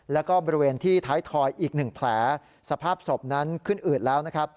แล้วก็บริเวณที่ท้ายทอยอีกหนึ่งแผลสภาพศพนั้นขึ้นอืดแล้วนะครับ